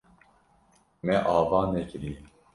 Me ava nekiriye.